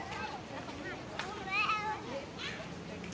สวัสดีครับทุกคน